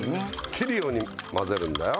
切るように混ぜるんだよ。